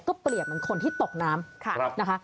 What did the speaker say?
เปรียบเหมือนคนที่ตกน้ำนะคะ